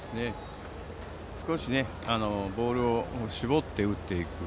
少しボールを絞って打っていく。